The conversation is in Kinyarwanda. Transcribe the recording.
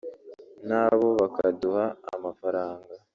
nabo bakaduha amafaranga